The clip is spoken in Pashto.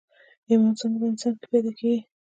ايمان څنګه په انسان کې پيدا کېږي